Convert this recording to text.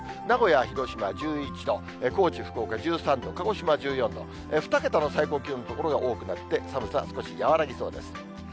名古屋、広島１１度、高知、福岡１３度、鹿児島１４度、２桁の最高気温の所が多くなって寒さ、少し和らぎそうです。